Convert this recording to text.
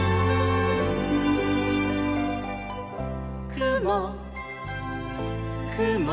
「くもくも」